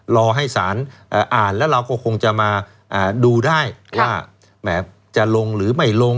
รอให้สารอ่านแล้วเราก็คงจะมาดูได้ว่าแหมจะลงหรือไม่ลง